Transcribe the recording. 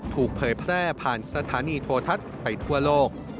ถูกเผยแพร่ผ่านสถานีโทษัตริย์ไปทั่วโลก